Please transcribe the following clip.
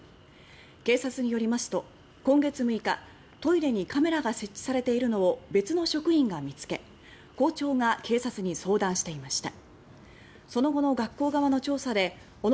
警察によりますと今月６日トイレにカメラが設置されているのを別の職員が見つけ校長が警察に相談していました。